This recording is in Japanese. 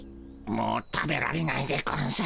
もう食べられないでゴンス。